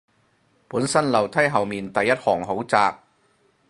本身樓梯後面第一行好窄